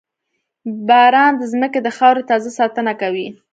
• باران د زمکې د خاورې تازه ساتنه کوي.